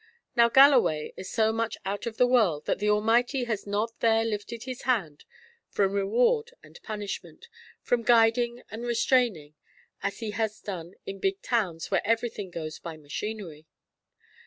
Now, Galloway is so much out of the world that the Almighty has not there lifted His hand from reward and punishment, from guiding and restraining, as He has done in big towns where everything goes by machinery.